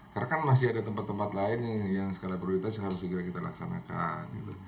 karena kan masih ada tempat tempat lain yang skala prioritas yang harus segera kita laksanakan